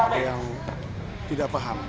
ada yang tidak paham